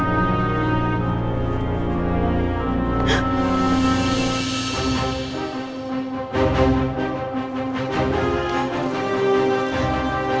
aku harus kuat kayak bunda